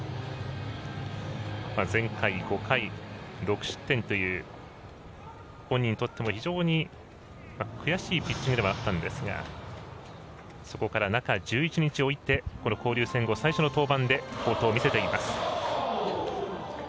前回、５回、６失点という本人にとっても非常に悔しいピッチングではあったんですがそこから中１１日を置いてこの交流戦後最初の登板で好投を見せています。